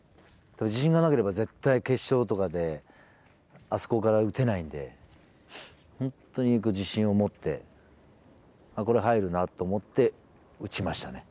自信がなければ絶対決勝とかであそこから打てないんで本当に行く自信を持ってこれ入るなと思って打ちましたね。